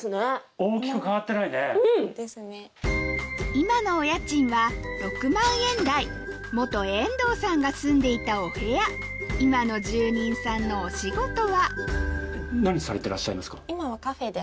今のお家賃は６万円台遠藤さんが住んでいたお部屋今の住人さんのお仕事は何されてらっしゃいますか？